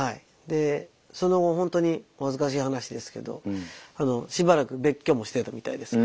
でその後ほんとにお恥ずかしい話ですけどしばらく別居もしてたみたいです。